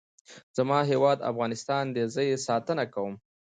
زما هیواد افغانستان دی. زه یې ساتنه کوم.